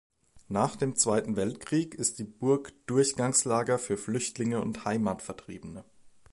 Nach dem Zweiten Weltkrieg ist die Burg Durchgangslager für Flüchtlinge und Heimatvertriebene.